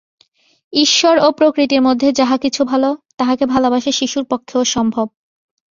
ঈশ্বর ও প্রকৃতির মধ্যে যাহা কিছু ভাল, তাহাকে ভালবাসা শিশুর পক্ষেও সম্ভব।